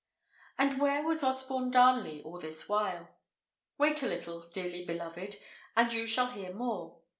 And where was Osborne Darnley all this while? Wait a little, dearly beloved, and you shall hear more.